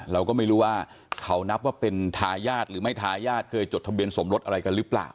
เราก็ไม่รู้ว่าเขานับว่าเป็นทายาทหรือไม่ทายาทเคยจดทะเบียนสมรสอะไรกันหรือเปล่า